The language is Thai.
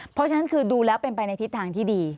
เพราะฉะนั้นคือดูแล้วเป็นไปในทิศทางที่ดี